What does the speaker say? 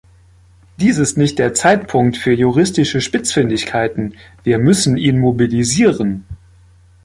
Dies ist nicht der Zeitpunkt für juristische Spitzfindigkeiten, wir müssen ihn mobilisieren.